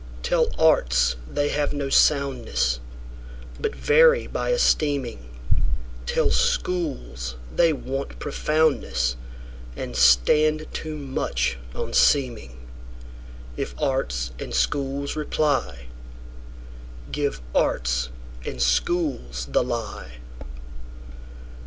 Tell arts they have no soundness, But vary by esteeming; Tell schools they want profoundness, And stand too much on seeming:If arts and schools reply, Give arts and schools the lie.